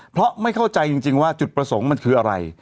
เพราะไม่เข้าใจจริงว่าจุดประสงค์มันคืออะไร